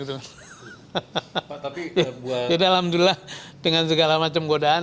jadi alhamdulillah dengan segala macam godaan